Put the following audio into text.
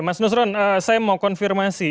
mas nusron saya mau konfirmasi